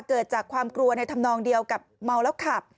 เกิดจากความกลัวในธรรมนองเดียวกับเมาแล้วขับ